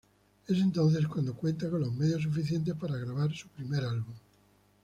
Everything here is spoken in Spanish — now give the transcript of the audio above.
Es entonces cuando cuentan con los medios suficientes para grabar su primer álbum.